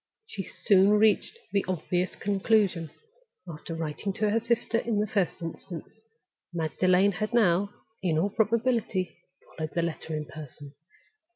She soon reached the obvious conclusion. After writing to her sister in the first instance, Magdalen had now, in all probability, followed the letter in person.